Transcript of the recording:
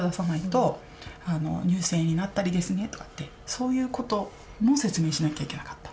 そういうことも説明しなきゃいけなかった。